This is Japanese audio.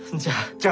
じゃあ。